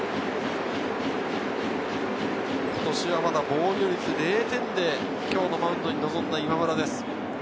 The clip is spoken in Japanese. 今年はまだ防御率０点で今日のマウンドに臨んだ今村です。